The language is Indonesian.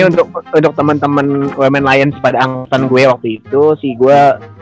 jadi untuk temen temen wmn lions pada angkatan gue waktu itu sih gue